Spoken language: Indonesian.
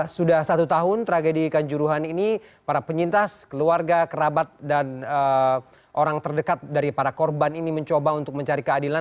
sudah satu tahun tragedi kanjuruhan ini para penyintas keluarga kerabat dan orang terdekat dari para korban ini mencoba untuk mencari keadilan